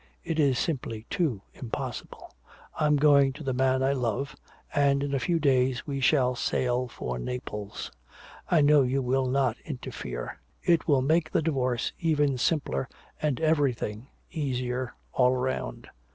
It is simply too impossible. I am going to the man I love and in a few days we shall sail for Naples. I know you will not interfere. It will make the divorce even simpler and everything easier all round.